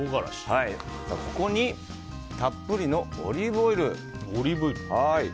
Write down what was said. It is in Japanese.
ここにたっぷりのオリーブオイル。